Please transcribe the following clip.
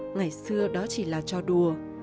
ngày xưa đó chỉ là cho đùa